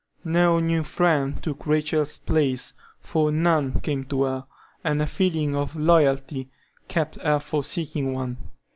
No new friend took Rachel's place, for none came to her, and a feeling of loyalty kept her from seeking one.